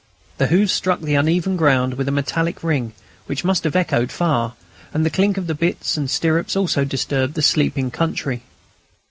Their hoofs struck the uneven ground with a metallic ring which must have echoed far; and the clink of bits and stirrups also disturbed the sleeping country.